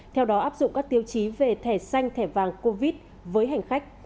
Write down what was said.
theo đó áp dụng các tiêu chí về thẻ xanh thẻ vàng covid với hành khách